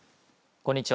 こんにちは。